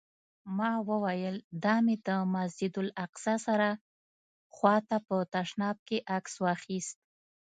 ما وویل: دا مې د مسجداالاقصی سره خوا ته په تشناب کې عکس واخیست.